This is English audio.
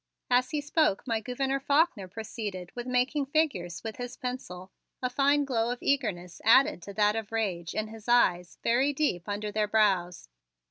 As he spoke, my Gouverneur Faulkner proceeded with making figures with his pencil, a fine glow of eagerness added to that of rage in his eyes very deep under their brows.